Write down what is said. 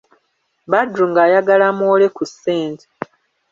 Badru ng'ayagala amuwole ku ssente..